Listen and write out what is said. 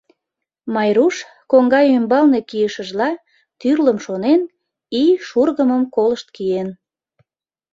Майруш, коҥга ӱмбалне кийышыжла, тӱрлым шонен, ий шургымым колышт киен.